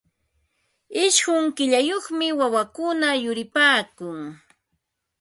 Ishqun killayuqmi wawakuna yuripaakun.